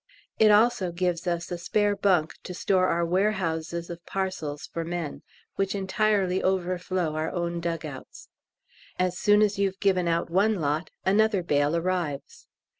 It also gives us a spare bunk to store our warehouses of parcels for men, which entirely overflow our own dug outs. As soon as you've given out one lot, another bale arrives.